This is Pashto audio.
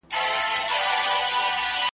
په هغه ورځ د قیامت په ننداره سي .